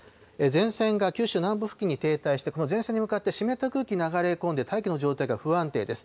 前線が九州南部付近に停滞して、この前線に向かって湿った空気流れ込んで、大気の状態が不安定です。